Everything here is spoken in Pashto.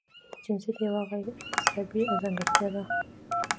جنسیت یوه غیر اکتسابي ځانګړتیا ده.